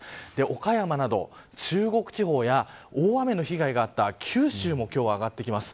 岡山など中国地方や大雨の被害があった九州も今日は上がってきます。